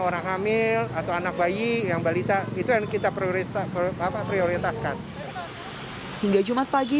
orang hamil atau anak bayi yang balita itu yang kita prioritas apa prioritas kan hingga jumat pagi